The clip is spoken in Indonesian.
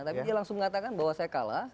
tapi dia langsung mengatakan bahwa saya kalah